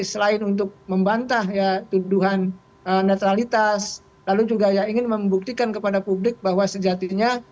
selain untuk membantah ya tuduhan netralitas lalu juga ingin membuktikan kepada publik bahwa sejatinya